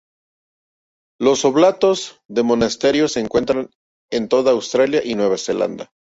Los oblatos del monasterio se encuentran en toda Australia y Nueva Zelanda.